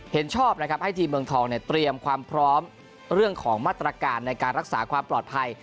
เห็นชอบนะครับให้ทีมเมืองทองเตรียมความพร้อมเรื่องของมาตรการในการรักษาความปลอดภัย